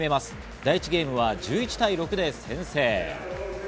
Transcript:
第１ゲームを１１対６で先制。